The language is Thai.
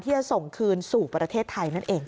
จะส่งคืนสู่ประเทศไทยนั่นเอง